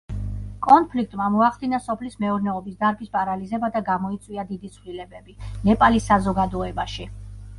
კონფლიქტმა მოახდინა სოფლის მეურნეობის დარგის პარალიზება და გამოიწვია დიდი ცვლილებები, ნეპალის საზოგადოებაში.